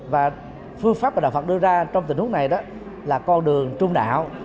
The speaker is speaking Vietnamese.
và phương pháp mà đạo phật đưa ra trong tình huống này là con đường trung đạo